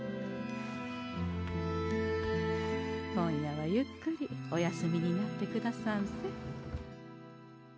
今夜はゆっくりお休みになってくださんせ。